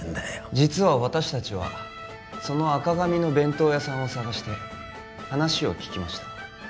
実は私達はその赤髪の弁当屋さんを捜して話を聞きました